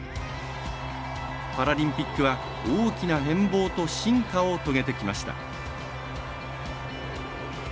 パラリンピックは大きな変貌と進化を遂げてきました。